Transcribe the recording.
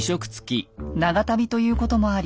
長旅ということもあり